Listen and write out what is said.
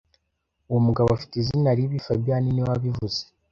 Uwo mugabo afite izina ribi fabien niwe wabivuze